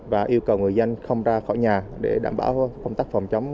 và yêu cầu người dân không ra khỏi nhà để đảm bảo không tắt phòng chống